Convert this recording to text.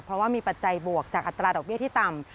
เพราะว่ามีปัจจัยบวกจากอัตราดอกเบี้ยที่ต่ำ